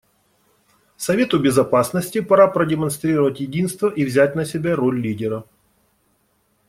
Совету Безопасности пора продемонстрировать единство и взять на себя роль лидера.